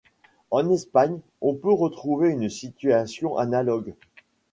En Espagne on peut retrouver une situation analogue.